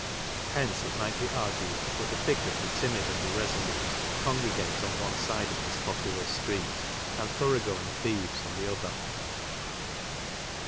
Hence it may be argued that the pick of the timid and irresolute congregate on one side of this populous street, and thoroughgoing thieves on the other.